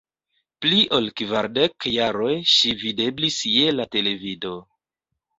Pli ol kvardek jaroj ŝi videblis je la televido.